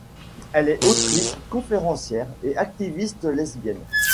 Elle est autrice, conférencière et activiste lesbienne.